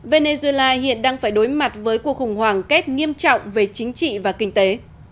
venezuela hiện đang phải đối mặt với cuộc khủng hoảng kép nghiêm trọng về chính trị và kinh tế